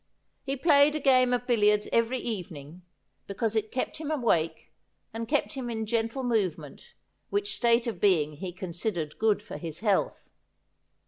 He played a game of billiards every evening, because it kept him awake and kept him in gentle movement, which state of being he considered good for his health.